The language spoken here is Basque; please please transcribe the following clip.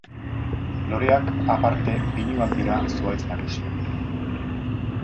Loreak aparte pinuak dira zuhaitz nagusiak.